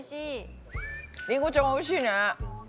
りんごちゃんおいしいね。